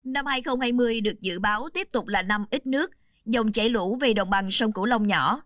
năm hai nghìn hai mươi được dự báo tiếp tục là năm ít nước dòng chảy lũ về đồng bằng sông cửu long nhỏ